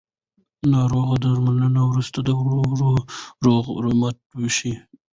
ناروغ د درملنې وروسته ورو ورو روغ رمټ شو